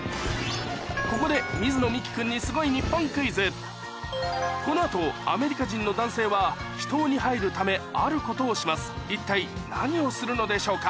ここで水野美紀君にこの後アメリカ人の男性は秘湯に入るためあることをします一体何をするのでしょうか？